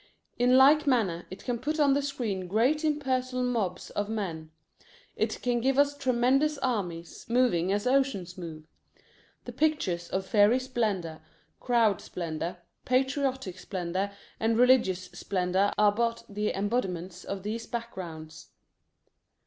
In like manner it can put on the screen great impersonal mobs of men. It can give us tremendous armies, moving as oceans move. The pictures of Fairy Splendor, Crowd Splendor, Patriotic Splendor, and Religious Splendor are but the embodiments of these backgrounds.